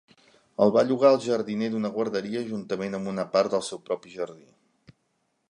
El va llogar al jardiner d'una guarderia juntament amb una part del seu propi jardí.